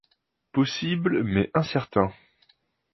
Possible mais incertain.